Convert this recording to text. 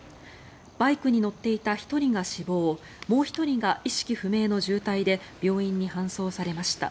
バイクに乗っていた１人が死亡もう１人が意識不明の重体で病院に搬送されました。